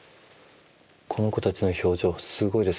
この子たちの表情すごいです。